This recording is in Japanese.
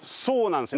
そうなんですよ。